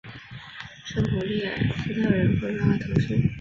圣普列斯特人口变化图示